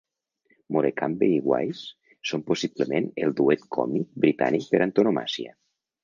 Morecambe i Wise són possiblement el duet còmic britànic per antonomàsia.